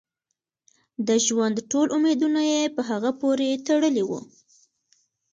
د ژوند ټول امیدونه یې په هغه پورې تړلي وو.